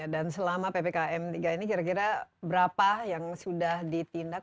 dan selama ppkm ini kira kira berapa yang sudah ditindak